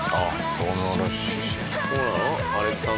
「そうなの？